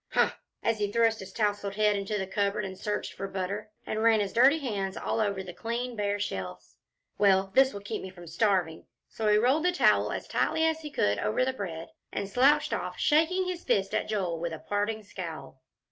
"Humph!" as he thrust his tousled head into the cupboard, and searched for butter, and ran his dirty hands all over the clean, bare shelves "well, this will keep me from starving." So he rolled the towel as tightly as he could over the bread, and slouched off, shaking his fist at Joel with a parting scowl.